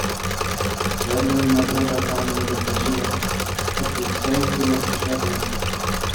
"Żadna inna droga tam nie dochodziła, oprócz tej którą przyszedłem."